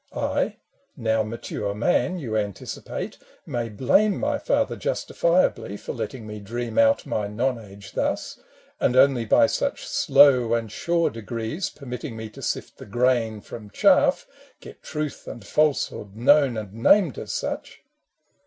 I, now mature man, you anticipate. May blame my I"ather justifiably FANCIES AND FACTS 129 For letting me dream out my nonage thus, And only by such slow and sure degrees Permitting me to sift the grain from chaff, Get truth and falsehood known and named as such.